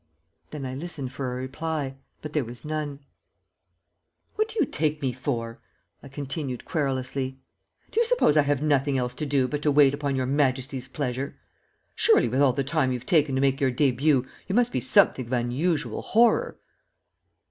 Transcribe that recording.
Then I listened for a reply; but there was none. "What do you take me for?" I continued, querulously. "Do you suppose I have nothing else to do but to wait upon your majesty's pleasure? Surely, with all the time you've taken to make your début, you must be something of unusual horror."